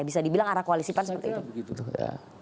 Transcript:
bisa dibilang arah koalisi pan seperti itu